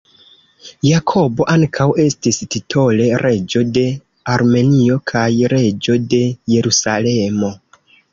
Jakobo ankaŭ estis titole reĝo de Armenio kaj reĝo de Jerusalemo.